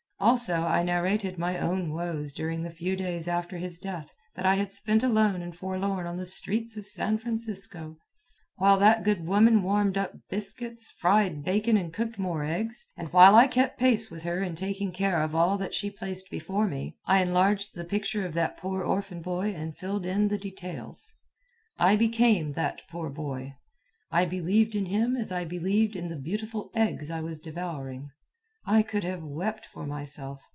Also, I narrated my own woes during the few days after his death that I had spent alone and forlorn on the streets of San Francisco. While that good woman warmed up biscuits, fried bacon, and cooked more eggs, and while I kept pace with her in taking care of all that she placed before me, I enlarged the picture of that poor orphan boy and filled in the details. I became that poor boy. I believed in him as I believed in the beautiful eggs I was devouring. I could have wept for myself.